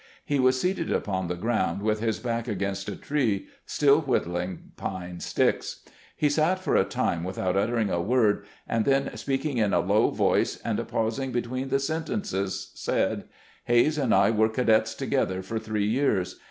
He was seated upon the ground with his back against a tree, still whittling pine sticks. He sat for a time without uttering a word, and then, speaking in a low voice, and pausing between the sentences, said: " Hays and I were cadets together for three years.